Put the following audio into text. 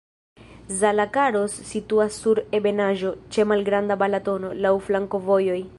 Zalakaros situas sur ebenaĵo, ĉe malgranda Balatono, laŭ flankovojoj.